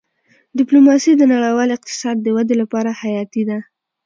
ډيپلوماسي د نړیوال اقتصاد د ودې لپاره حیاتي ده.